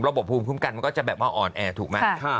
ภูมิคุ้มกันมันก็จะแบบมาอ่อนแอถูกไหม